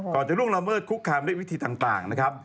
จะล่วงละเมิดคุกคามด้วยวิธีต่างนะครับ